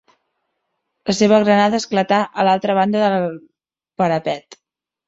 La seva granada esclatà a l'altra banda del parapet